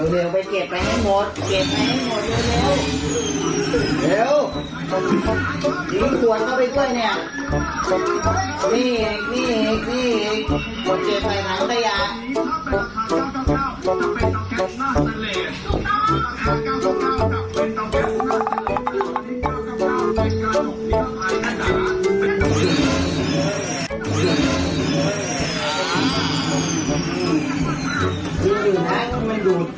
เร็วไปเก็บไปให้หมดเก็บไปให้หมดเร็ว